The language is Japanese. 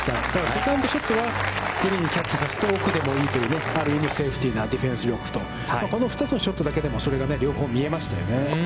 セカンドショットはグリーンをキャッチさせて、奥でもいいというある意味ディフェンス力と、この２つのショットだけでも、それが両方見えましたよね。